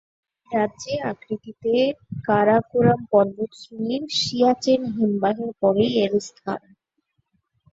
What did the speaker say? এই রাজ্যে আকৃতিতে কারাকোরাম পর্বতশ্রেণীর সিয়াচেন হিমবাহের পরেই এর স্থান।